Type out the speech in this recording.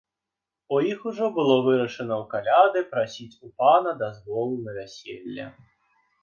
У іх ужо было вырашана ў каляды прасіць у пана дазвол на вяселле.